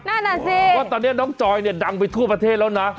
นั่นอ่ะสิว่าตอนนี้น้องจอยเนี่ยดังไปทั่วประเทศแล้วนะ